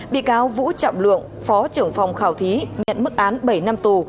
bị cáo vũ trọng lượng phó trưởng phòng khảo thí nhận mức án bảy năm tù